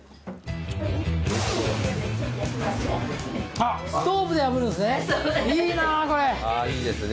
あっストーブであぶるんですね。